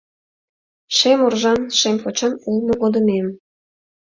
Шем оржан, шем почан улмо годымем